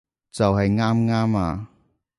就喺啱啱啊